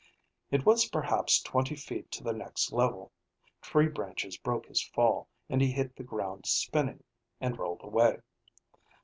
It was perhaps twenty feet to the next level. Tree branches broke his fall and he hit the ground spinning, and rolled away.